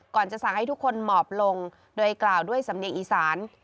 จะสั่งให้ทุกคนหมอบลงโดยกล่าวด้วยสำเนียงอีสาน